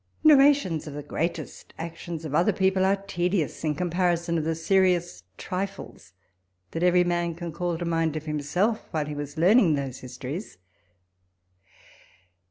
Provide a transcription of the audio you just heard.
Narrations of the greatest actions of other people are tedious in comparison of the serious trifles that every man can call to mind of himself while he was learning those histories.